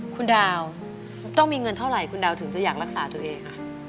คุณดาวต้องมีเงินเท่าไหร่คุณดาวถึงจะอยากรักษาตัวเอง